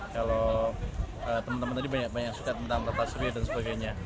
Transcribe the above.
kalau teman teman tadi banyak banyak suka tentang tata surya dan sebagainya